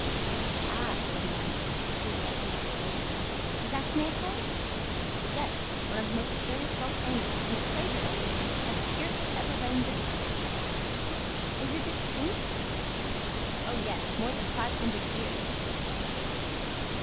"Ah!" said my uncle, as coolly as he was able, "is that Snæfell?" "Yes; one of the most curious volcanoes, and the crater of which has scarcely ever been visited." "Is it extinct?" "Oh, yes; more than five hundred years."